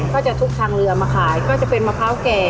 ก็จะทุกทางเรือมาขายก็จะเป็นมะพร้าวแก่